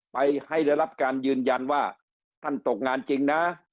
ไปให้ได้รับการยืนยันว่าท่านตกงานจริงนะ